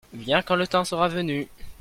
viens quand le temps sera venu.